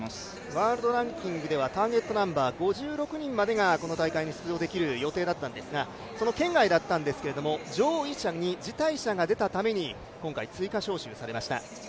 ワールドランキングではターゲットナンバー５６人までがこの大会に出場できる予定だったんですがその圏外だったんですけれども、上位者に辞退者が出たために、今回、追加招集されました。